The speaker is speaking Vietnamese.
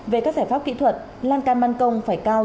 về các giải pháp kỹ thuật lan can ban công phải cao